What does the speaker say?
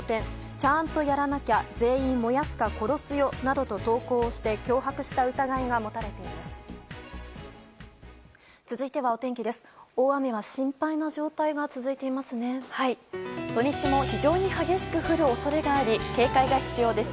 ちゃーんとやらなきゃ全員燃やすか殺すよ？などと投稿をして脅迫した疑いが持たれています。